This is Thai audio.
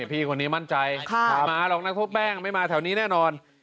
พี่คนนี้มั่นใจมาหรอกนักโทษแป้งไม่มาแถวนี้แน่นอน